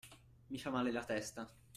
Mi fa male la testa.